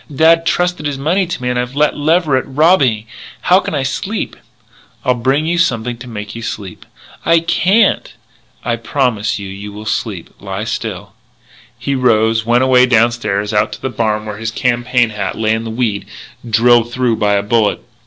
"Dad trusted his money to me and I've let Leverett rob me. How can I sleep?" "I'll bring you something to make you sleep." "I can't!" "I promise you you will sleep. Lie still." He rose, went away downstairs and out to the barn, where his campaign hat lay in the weed, drilled through by a bullet.